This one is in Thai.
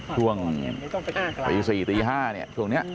ช่วงนี้อ่ะตี๔ตี๕เนี่ย